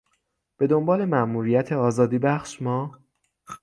به دنبال ماموریت آزادیبخش ما